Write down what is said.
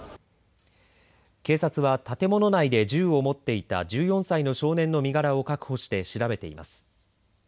警察は建物内で銃を持っていた１４歳の少年の身柄を確保して調べています。